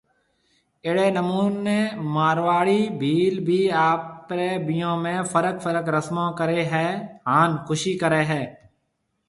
اهڙي نموني مارواڙي ڀيل بِي آپري بيھون۾ فرق فرق رسمون ڪري هي هان خوشي ڪري هي